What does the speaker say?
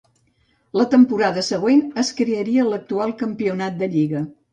La temporada següent, es crearia l'actual Campionat de Lliga.